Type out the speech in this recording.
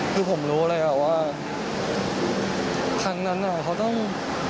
คือผมรู้เลยว่าครั้งนั้นเขาต้อง